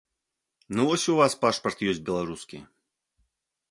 Ну вось у вас пашпарт ёсць беларускі.